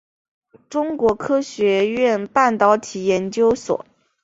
中国科学院半导体研究所。